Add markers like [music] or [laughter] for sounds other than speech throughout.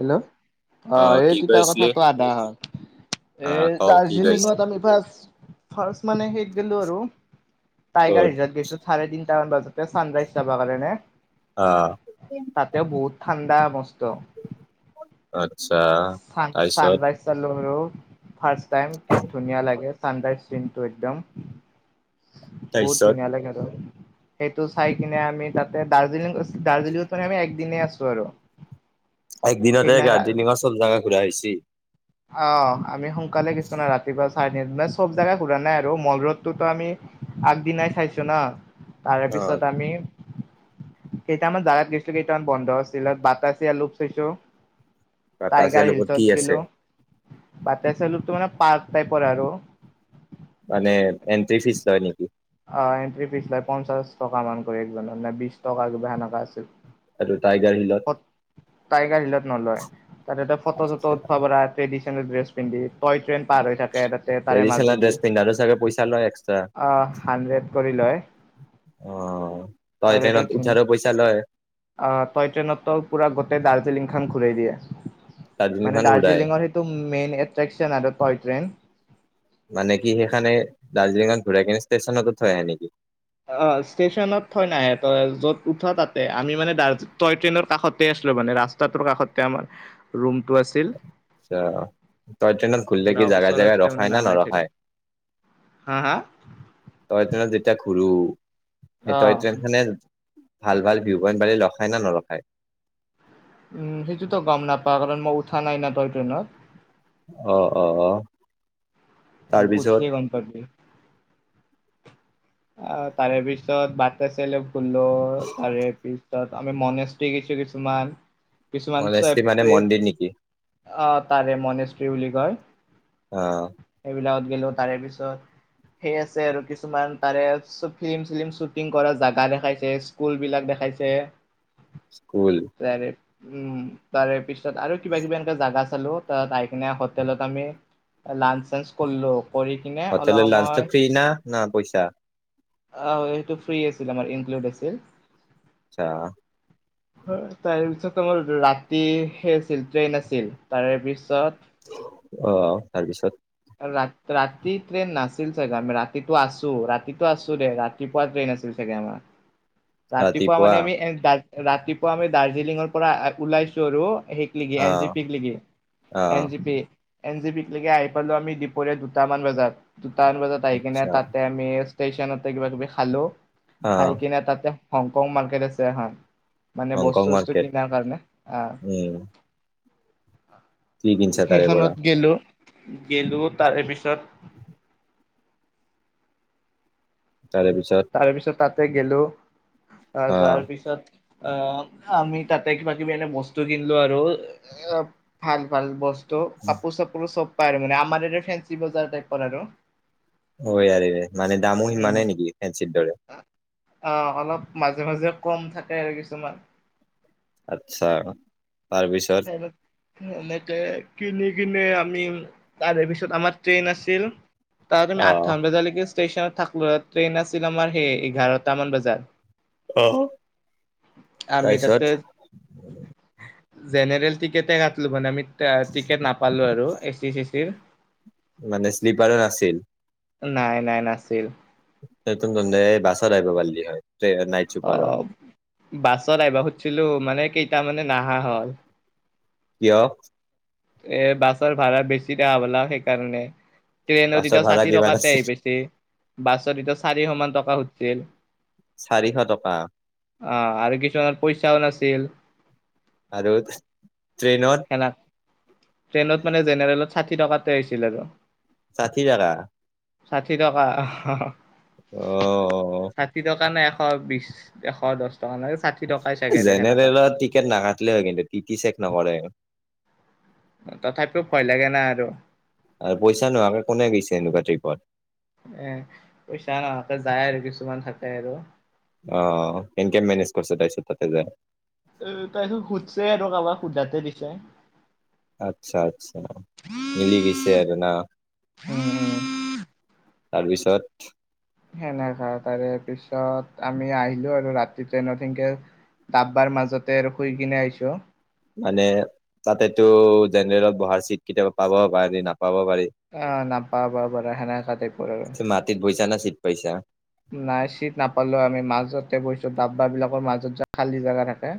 Hello অ আহ এই কি কৈ তিতাৰ আছিলি কথাটো আদা হয় এ আহ কওক কি কৈ আছিলি দাৰ্জিলিঙত আমি ফাৰ্ষ্ট ফাৰ্ষ্ট মানে সেইত গ'লো আৰু টাইগাৰ ক'ত? ৰিজাৰ্ট গৈছো চাৰে তিনটা মান বজাতে ছানৰাইজ চাব কাৰণে আহ তাতেও বহুত ঠাণ্ডা মস্ত আচ্ছা চান তাৰপিছত চনৰাইজ ছালো আৰু ফাষ্ট টাইম কি ধুনিয়া লাগে চানৰাইজ চিনটো একদম বহুত তাৰপিছত ধুনীয়া লাগে ধৰ সেইটো চাই কিনে আমি তাতে দাৰ্জিলিং দাৰ্জিলিঙতে আমি একদিনে আছো আৰু একদিনতে সেইদিনা দাৰ্জিলিঙৰ চল জাগা ঘুৰা হৈছি অ আমি সোনকালে কিছুমান ৰাতিপুৱা চাৰিদিন মানে চব জোগা ঘুৰা নাই আৰু মল ৰোদটোতো আমি আগদিনাই চাইছো ন তাৰে অ পিছত আমি কেইটামান জাগাত গৈছিলো কেইটামান বন্ধ আছিল বাতাছেয়া লোপ চাইছো টাটা চিয়াৰ টাইগাৰ লগত কি হিলছত আছে গলো বাটে চলো তো মানে পাৰ্ক টাইপৰ আৰু মানে এণ্টি ফিচ লয় নেকি অ এণ্ট্ৰি ফিজ লয় পঞ্চাশ টকা মান কৰি একজনৰ নে বিশ টকা কিবা সেনেকা আছিল এইটো টাইগাৰ হিলত টাইগাৰ হিলত নলয় তাতে এটা ফটো চটো উঠাব পৰা ট্ৰেডিচনেল ড্ৰেছ পিন্ধি টয় ট্ৰেইন পাৰ হৈ থাকে তাতে তাৰে ট্ৰেডিচনেল মাজেদি ড্ৰেছ পিন্ধাৰো চাগে পইচা লয় এক্সট্ৰা আহ হাণ্ড্ৰেড কৰি লয় অ তই টেনট উঠাৰো পইচা লয় অহ তই ট্ৰেইন ত পুৰা গোটেই দাৰ্জিলিং খন ঘূৰাই দিয়ে মানে দাৰ্জিলিংখন ঘূৰাই দাৰ্জিলিঙৰ সেইটো মেইন এট্ৰেকচন আৰু টয়ট্ৰেইন মানে কি সেইখানে দাৰ্জিঙত ঘোৰাইকিনে ষ্টেচনটো থৈ আহে নেকি অ ষ্টেচনত থয় নাহে তই য'ত উঠ তাতে আমি মানে দাৰ তই ট্ৰেইনৰ কাষতে আছিলো মানে ৰাস্ ৰাস্তাটোৰ কাষতে আমাৰ ৰুমটো আছিল আচ্ছা তই ট্ৰেইনত ঘুলিলে পুৰা কি জাগাই জেগাই ওচৰতে মানে ৰখাই না নামাই থৈ দিয়ে। নৰখাই হা হা টয়ট্ৰেনত যেতিয়া ঘূৰো সেই অ', টয়ট্ৰেইন খনে ভাল ভাল ভিউ পইণ্ট পালি ৰখাই না নৰখায় উম সেইটোতো গম নাপা কাৰণ মই উঠা নাই ন তই ট্ৰেইনত অ অ অ উ তাৰপিছত উঠিয়ে গম পাবি অ তাৰে পিছত বাট আছে ফুলো তাৰে পিছ পিছত আমি মনেষ্টিকছো কিছুমান কিছুমান চা মনেষ্টি মানে [unintelligible] মন্দিৰ নেকি? আ তাৰে মনেষ্ট্ৰি বুলি কয় অ সেইবিলাকত গলো তাৰে পিছত সেই আছে আৰু কিছুমান তাৰে চ ফিলিম চিলিম শ্বুটিং কৰা জোগা দেখাইছে স্কুল বিলাক দেখাইছে স্কুল তাৰে উম তাৰে পিছত আৰু কিবা কিবি এনেকুৱা জাগা চালো তাত আহি কিনে হোটেলত আমি লাঞ্জ চাঞ্জ কৰিলো কৰি কিনে হোটেল অলপ লাঞ্চ টো সময় ফ্ৰী না, না পইচা অ সেইটো ফ্ৰী আছিল আমাৰ ইনক্লুড আছিল আচ্ছা হয় তাৰে পিছত তোমাৰ ৰাতি সেই আছিল ট্ৰেইন আছিল তাৰে পিছত অ' তাৰপিছত। ৰা ৰাতি ট্ৰেইন নাছিল চাগে আমি ৰাতিটো আছোঁ ৰাতিটো আছোঁ দে ৰা ৰাতিপুৱা ট্ৰেইন আছিল চাগে আমাৰ। ৰাতিপুৱা মানে আমি এ, দা-ৰাতিপুৱা আমি দাৰ্জিলিঙৰ পৰা ওলাইছোঁ আৰু সেই লিগি এনজি অ' পি ক লিগি, এন অ' জি পি, এন জি পিক লেগি আহি পালোঁ আমি দিপৰীয়া দুটামান বজাত, দুটামান বজাত আহি কিনে আচ্ছা তাতে আমি ষ্টেশচনতে কিবা কিবি খালোঁ, খাই অ' কিনে তাতে হংকং মাৰ্কেট আছে এখন। মানে বস্তু হংকং বস্তু মাৰ্কেট কিনাৰ কাৰণে অ'। উম কি কিনছা তাৰে পৰা? সেইখনত গেলো, গেলো তাৰ পিছত তাৰে পিছত। তাৰ পিছত তাতে গেলো, অ' যাৰ পিছত আহ, আমি তাতে কিবা কিবি এনে বস্তু কিনলোঁ আৰু [unintelligible] ভাল, ভাল বস্তু, কাপোৰ চাপোৰো চব পায় আৰু মানে আমাৰ এৰে ফেঞ্চি বজাৰ টাইপৰ আৰু। হয় [unintelligible] মানে দামো উম সিমানে নেকি ফেঞ্চিৰ দৰে? অ' অলপ মাজে মাজে কম থাকে আৰু কিছুমান। আচ্ছা, তাৰপিছত। সেনেকে কিনি কনে আমি, তাৰে পিছত আমাৰ ট্ৰেইন আছিল। তাত তুমি অ' আঠামান বজালৈকে ষ্টেচনত থাকলো, ট্ৰেইন আছিল আমাৰ সেই এঘাৰটামান বজাত। অ' আমি তাতে তাৰপিছত। জেনেৰেল টিকেটে কাটলোঁ মানে আমি টে-টিকেট নাপালোঁ আৰু এ চি চে চিৰ। মানে শ্লিপাৰো নাছিল? নাই, নাই নাছিল। [unintelligible] বাছত আহিবা পাৰলি হয়, নাইট অ চুপাৰত। বাছত আহিবা খোজছিলোঁ মানে কেইটা মানে নাহা হ'ল। কিয়? এ, বাছৰ ভাড়া বেছি দেখা পালাক সেইকাৰণে। ট্ৰেইনত বাছৰ এতিয়া ভাড়া ষাঠি কিমান টকাতে আছিল আহি পাইছি, বাছত এতিয়া চাৰিশ মান টকা সুধছিল। চাৰিশ টকা। অ' আৰু কিছুমানৰ পইচাও নাছিল। আৰু ট্ৰেইনত? [unintelligible] ট্ৰেইনত মানে জেনেৰেলত ষাঠি টকাতে হৈছিল আৰু। ষাঠি টাকা। ষাঠি টকা, অ', হ অ'। অ'। ষাঠি টকা নে এশ বিশ, এশ দহ, টকা না ষাঠি টকাই চাগে দে সেনেকা জেনেৰেলত টিকেট নাকাটলে হয় কিন্তু টিটি চেক নকৰে। তথাপিও ভয় লাগে না আৰু। আৰু পইচা নোহাকে কোনে গৈছে এনেকুৱা ট্ৰিপত। এ, পইচা নহাকে যায় আৰু কিছুমান থাকে আৰু। অ' কেনকে মেনেজ কৰছে তাৰপিছত তাতে যায়। অ' তাৰপিছত সুধছে আৰু কাবাক সোধাতে দিছে। আচ্ছা, আচ্ছা মিলি গেছে আৰু না। [inaudible] তাৰপিছত সেনেকা তাৰেপিছত আমি আহিলোঁ আৰু ৰাতি ট্ৰেইনত [unintelligible] ডাব্বাৰ মাজতে আৰু শুই কিনে আহিছোঁ। মানে তাতেটো জেনেৰেলত বহাৰ চিটকিটা পাব পাৰি, নাপাব পাৰি। আ, নাপাব [unintelligible] সেনেকা টাইপৰ আৰু। মাটিত বহিছা না চিট পাইছা নাই চিট নাপালোঁ আমি মাজতে বহিছোঁ, ডাব্বাৰ বিলাকৰ মাজত যে, খালী জাগা থাকে।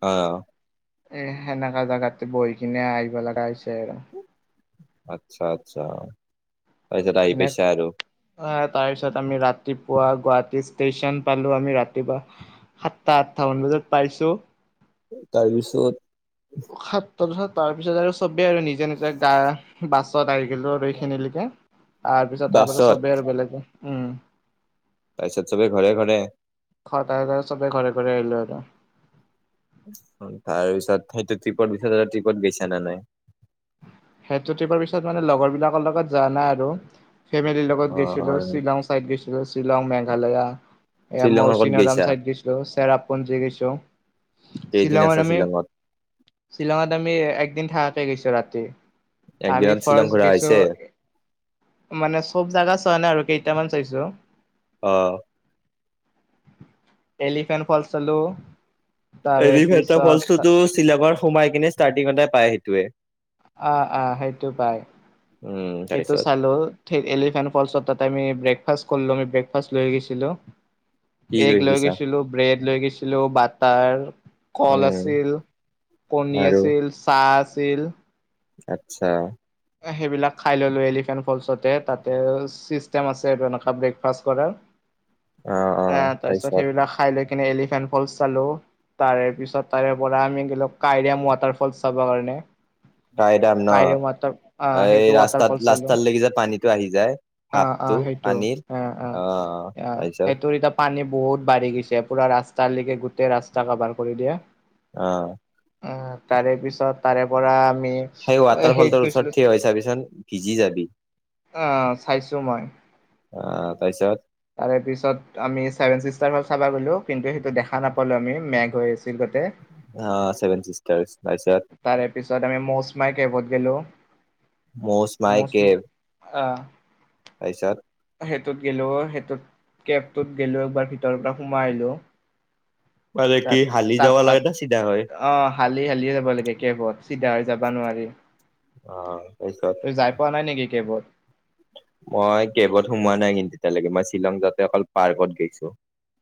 অ'। এ, সেনেকা জাগাত বহি, কিনে আহিব লাগা হৈছে আৰু আচ্ছা, আচ্ছা, তাৰছত আহি সেনে আহ পাইছা আৰু। তাৰপিছত আমি ৰাতিপুৱা গুৱাহাটী ষ্টেচন পালোঁ, আমি ৰাতিপুৱা। সাতটা, আঠটামান বজাত পাইছোঁ। তাৰপিছত সাত, তাৰপিছত, তাৰপিছত আৰু চবেই আৰু নিজে, নিজৰ গা, বাছত আহি গেলোঁ। খিনিলৈকে তাৰপাছত, তাৰপিছত বাছত চবেই আৰু [unintelligible] উম। তাছত চবে ঘৰে, ঘৰে। [unintelligible] চবে ঘৰে, ঘৰে আহিলোঁ আৰু। তাৰপিছত সেইটো ট্ৰিপত পিছত আৰু ট্ৰিপত গৈছানে নাই? সেইটো ট্ৰিপৰ পিছত মানে লগৰ বিলাকৰ লগত যোৱা নাই আৰু, ফেমিলিৰ অ লগত গৈছিলোঁ শ্বিলং। চাইট গৈছিলোঁ শ্বিলং, মেঘালয়া। এয়া শ্বিলঙৰ ক'ত মৌচিনাৰাম গৈছা চাইদ গৈছোঁ, চেৰাপুঞ্জী গৈছোঁ। কেইদিন আছে শ্বিলংত? শ্বিলঙত আমি একদিন থাকাকে গৈছোঁ ৰাতি। আমি একদিনত শ্বিলং ফাৰ্চ ঘূৰা হৈছে গৈছোঁ, মানে চব জাগা চোৱা নাই আৰু কেইটামান চাইছোঁ। অ' এলিফেণ্টফলছ চালোঁ। এলিফেন্টৰ ফলচটোটো শ্বিলঙৰ সোমাই কিনে ষ্টাৰ্টিঙতে পায় সেইটোৱে। অ', অ', সেইটো পাই, উম সেইটো তাৰপিছত চালোঁ। এলিফেণ্ট ফলছতত আমি ব্ৰেকফাষ্ট কৰিলোঁ, আমি ব্ৰেকফাষ্ট লৈ গৈছিলোঁ। কি এগ লৈ গৈছা গৈছিলোঁ, ব্ৰেড লৈ গৈছিলোঁ, বাটাৰ। কল উম আছিল, কণী আছিল, চাহ আছিল। আতছা। সেইবিলাক খাই ল'লো, এলিফেন্ট ফলচতে তাতে, চিষ্টেম আছে আৰু এনেকুৱা ব্ৰেকফাষ্ট কৰা। অ অ আ, তাৰপিছত সেইবিলাক খাই লৈ কিনে এলিফেণ্ট ফলচ চালোঁ। তাৰেপিছত তাৰে পৰা আমি গেলো কাইৰম ৱাটাৰফল চাবৰ কাৰণে। কাইদাম ন? কাইৰেম ৱাটাৰ আহ এই সেইটো ৱাটাৰ ৰাস্তাত, ফলচ চালো ৰাস্তাৰ লৈকে যে, পানীটো আহি যায় অ অ হাপটো সেইটো পানীৰ অ অ', তাচত এতিয়া পানী বহুত বাঢ়ি গৈছে, পুৰা ৰাস্তালেকে গোটেই ৰাস্তা কাভাৰ কৰি দিয়ে। অ' অ', তাৰেপিছত, তাৰেপৰা আমি সেই হেৰিত ৱাটাৰফলটোৰ গৈছিলো ওচৰত থিয় হৈ চাবিছোন ভিজি যাবি। অ', চাইছোঁ মই। অ', তাছত তাৰেপিছত আমি ছেভেন চিষ্টাৰ চাবা গ'লো, কিন্তু সেইটো দেখা নাপালোঁ আমি মেঘ হৈ আছিল বাব হা চেভেন চিষ্টাৰচ তাৰ পিছত তাৰে পিছত আমি মৌচমাই কেভত গেলো। মৌচ মাই মৌচম কেভ আহ তাৰপিছত সেইটোত গেলো সেইটোত কেবটোত গেলো একবাৰ ভিতৰৰ পৰা সোমাই আহিলো। [inaudible] তাত হালি তাত যাব তাত, লাগে না চিধা হয় অ হালি হালি যাব লাগে কেভত চিধা হৈ যাবা নোৱাৰি। অ তাৰ পিছত তই যাই পোৱা নাই নেকি কেভত? মই কেভত সোমোৱা নাই কিন্তু তেতিয়ালৈকে, মই শ্বিলং যাওঁতে অকল পাৰ্কত গৈছো।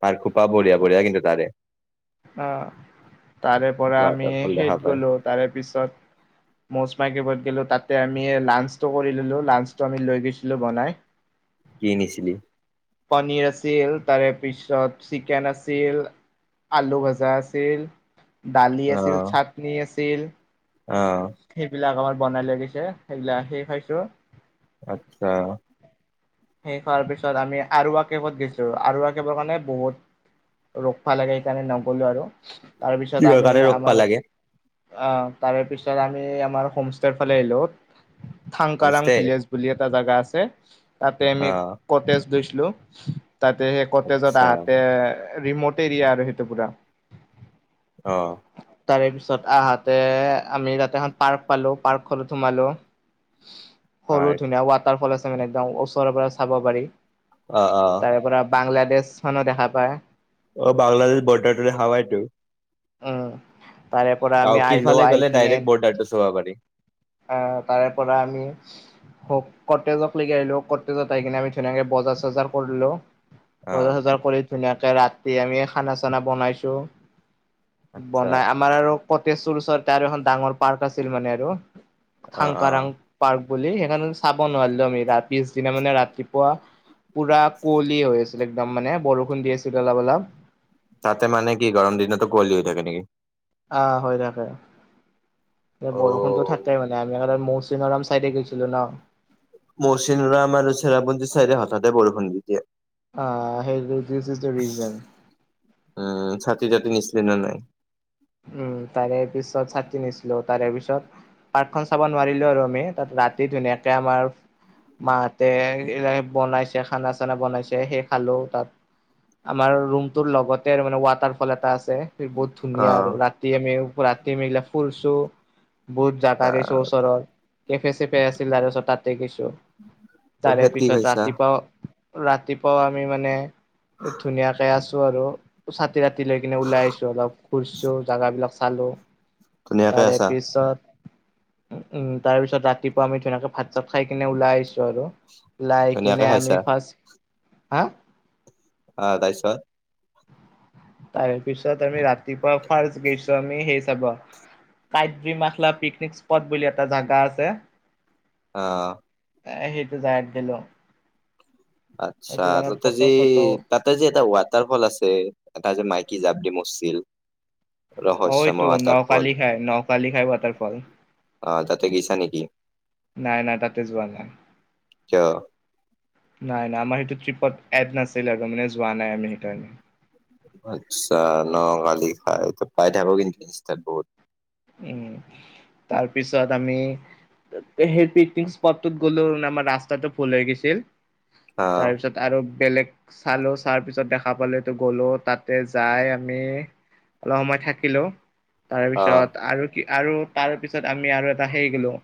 পাৰ্ক সোপা বঢ়িয়া বঢ়িয়া কিন্তু তাৰে। অ তাৰে পৰা আমি ৱাটাৰ ফল দেখা সেইত পায় গলো তাৰে পিছত মৌচমাই কেভত গেলো তাতে আমি লাঞ্চটো কৰি ললো, লাঞ্চটো আমি লৈ গৈছিলো বনাই। কি নিছিলি? পানীৰ আছিল তাৰে পিছত চিকেন আছিল। আলু ভজা আছিল, দালি অ আছিল, চাটনি আছিল। অ। সেইবিলাক আমাৰ বনাই লৈ গৈছে সেইবিলাক সেই খাইছো। আচ্ছা। শেষ হোৱাৰ পিছত আমি আৰৱা কেবত গৈছো। আৰৱা কেবৰ কাৰণে বহুত ৰখবা লাগে সেইকাৰণে নগলো আৰু তাৰপিছত কিহৰ আমি কাৰণে ৰখ আমাৰ পালাগে অ তাৰে পিছত আমি আমাৰ হুমষ্টে ফালে আহিলো, থাংকাৰাং হোমষ্টে ভিলেজ বুলি এটা জাগা আছে তাতে আমি অ কটেজ লৈছিলো তাতে সেই কটেজত আচ্ছা আহাতে ৰিমট এৰিয়া আৰু সেইটো পুৰা। অ। তাৰে পিছত আহাতে আমি তাতে এখন পাৰ্ক পালো, পাৰ্কখনত সোমালো। [inaudible] সৰু ধুনীয়া ৱাটাৰফল আছে মানে একদম ওচৰৰ পৰা চাব পাৰি। অ অ। তাৰেপৰা বাংলাদেশখনো দেখা পায়। অ বাংলাদেশ বৰ্ডাৰতো দেখা পাই তো। উম, তাৰে পৰা আমি আহিলো, আহি কিনে বৰ্ডাৰতো চাব পাৰি। অ তাৰে পৰা আমি হ কটেজক লৈকে আহিলো, কটেজত আহি কিনে আমি ধুনীয়াকে বজাৰ - চজাৰ কৰিলো। অ বজাৰ - চজাৰ কৰি ধুনীয়াকে ৰাতি আমি খানা - চানা বনাইছো। আচ্ছা বনাই, আমাৰ আৰু কটেজটোৰ ওচৰতে আৰু এখন ডাঙৰ পাৰ্ক আছিল মানে আৰু। অ অ থাংকাৰাং পাৰ্ক বুলি সেইকাৰনে চাব নোৱাৰিলো আমি ৰা পিছদিনা মানে ৰাতিপুৱা পুৰা কুঁৱলী হৈ আছিল একদম মানে বৰষুণ দি আছিল অলপ অলপ। তাতে মানে কি গৰম দিনটো কুঁৱলী হৈ থাকে নেকি? আহ হৈ থাকে, এ অ বৰষুণতো থাকেই মানে আমি আগতে মৌচ চিনৰাম চাইডে গৈছিলো ন। মৌচিনৰাম আৰু চেৰাপুঞ্জি চাইডে হঠাতে বৰষুণ দি দিয়ে। অ সেই দু this is the reason. Um, ছাতি - জাতি নিচিলে নে নাই? উম তাৰে পিছত ছাতি নিছিলো তাৰে পিছত পাৰ্কখন চাব নোৱাৰিলো আৰু আমি তাত ৰাতি ধুনীয়াকে আমাৰ মাহাতে [unintelligible] বনাইছে খানা চানা বনাইছে সেই খালোঁ তাত। আমাৰ ৰুমটোৰ লগতে মানে ৱাটাৰ ফল এটা আছে। বহুত অ ধুনীয়া আৰু ৰাতি আমি ৰাতি আমি এইগিলা ফুলচু বহুত [unintelligible] ওচৰৰ কেফে চেফে আছিল তাৰে [unintelligible] তাতে গেচো। তাৰে তাৰপিছত কি পিছত খাইছা ৰাতিপুৱা ৰাতিপুৱাও আমি মানে ধুনীয়াকে আছো আৰু, চাতি তাতি লৈ কিনে ওলাই আহিছো অলপ। ছো জাগাবিলাক চালো, ধুনীয়াকে তাৰে আছা পিছত উম, তাৰে পিছত ৰাতিপুৱা আমি ধুনীয়াকে ভাত চাত খাই কিনে ওলাই আহিছো আৰু। লাই কিনে ধুনীয়াকে আমি খাইছা ফাষ্ট হা অ', তাৰপিছত? তাৰে পিছত আমি ৰাতিপুৱা ফাৰ্ষ্ট গেছো আমি সেই চাবা। কাইট্ৰি মাখলা পিকনিক স্পট বুলি এটা জাগা আছে। অ'। এ, সেইটো জাগাত গেলো। আচ্ছা, সেইটো জাগাত তাতে ফটো যি চটো তাত [unintelligible] যি এটা ৱাটাৰ ফ'ল আছে, এটা যে মাইকী জাব দি মৰছিল? অ', এইটো ৰহস্যময় waterfall Nohkalikai Nohkalikai water fall. অ', তাতে গিছা নেকি? নাই নাই তাতে যোৱা নাই। কিয়? নাই নাই আমাৰ সেইটো ট্ৰিপত এড নাছিল আৰু [unintelligible] যোৱা নাই আমি সেইকাৰণে। আচ্ছা নকালিখাই এইটো পাই থাকোঁ কিন্তু ইনষ্টাত বহুত। উম, তাৰ পিছত আমি তে সেই পিকনিক স্পট গ'লো, নামা ৰাস্তাটো ভূল হৈ গে, অ তাৰ পিছত আৰু বেলেগ চালো চাৱাৰ পিছত দেখা পালো এইটো গ'লো তাতে যাই আমি অলপ সময় থাকিলো, তাৰ অ পিছত আৰু কি আৰু তাৰ পিছত আমি আৰু এটা সেই গে'লো।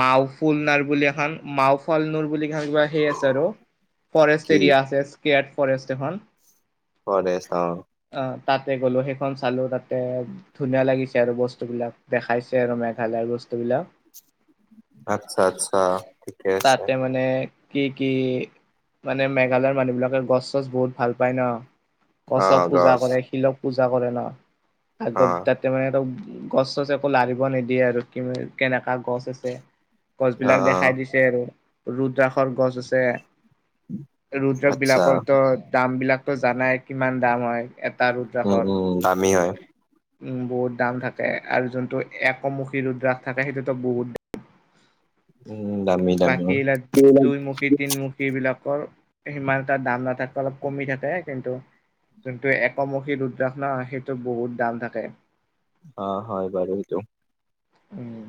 মাওফুলনাৰ বুলি এখন মাওফালনুৰ বুলি [unintelligible] কিবা সেই আছে আৰু। কি ফৰেষ্ট এৰিয়া আছে, স্কেয়াত ফৰেষ্ট এখন। ফৰেষ্ট অ'। অ', তাতে গ'লো সেইখন চালো, তাতে ধুনীয়া লাগিছে আৰু বচ টো বিলাক দেখাইছে আৰু মেঘালয় বস্তুবিলাক। আচ্ছা, আচ্ছা, ঠিকে আছে। তাতে মানে কি কি মানে মেঘালয়ৰ মানুহ বিলাকে গছ চছ বহুত ভাল পায় ন'। অ গছক পূজা গছ কৰে, শিলক পূজা কৰে ন' অ আগত তাতে মানে এটা [unintelligible] গছ চছ একো লাৰিব নিদিয়ে আৰু, কি কেনেকা গছ আছে, গছ অ বিলাক অ দেখাই দিছ ছে আৰু ৰুদ্ৰাসৰ গছ আছে। ৰুদ্ৰক আচ্ছা বিলাকৰটো দাম বিলাকতো জানাই কিমান দাম হয় এত উম, উম, দামী হয়। উম, বহুত দাম থাকে, আৰু যোনটো একমুখী ৰুদ্ৰাস থাকে সেইটোতো বহুত [unintelligible] উম দামী দামী বাকী বিলাক দুইমুখী তিন মু [unintelligible] বিলাকৰ সিমান এটা দাম নাথাকে অলপ কমি থাকে, কিন্তু যোনটো একমুখী ৰুদ্ৰাস ন' সেইটো বহুত দাম থাকে। অ', হয় বাৰু সেইটো। উম